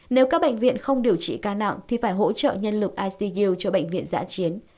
nếu các bệnh viện không điều trị ca nặng thì phải hỗ trợ nhân lực icu cho bệnh viện giã chiến